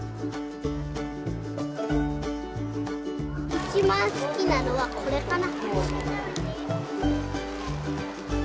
一番好きなのはこれかな。